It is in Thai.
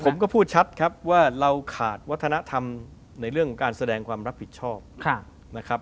ผมก็พูดชัดครับว่าเราขาดวัฒนธรรมในเรื่องการแสดงความรับผิดชอบนะครับ